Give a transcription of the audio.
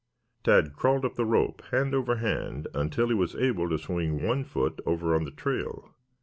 Tad crawled up the rope hand over hand until he was able to swing one foot over on the trail.